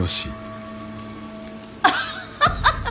アッハハハ！